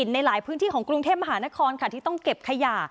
ในหลายพื้นที่ของกรุงเทพมหานครค่ะที่ต้องเก็บขยะ